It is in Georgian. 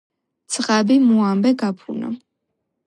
ძღაბი მუ ამბე გაფუნა